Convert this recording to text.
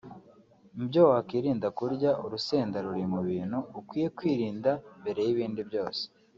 Mu byo wakwirinda kurya; Urusenda ruri mu bintu ukwiye kwirinda mbere y’ibindi byose